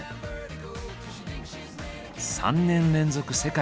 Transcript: ３年連続世界